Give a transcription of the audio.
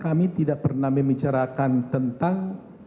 kami tidak pernah membicarakan tentang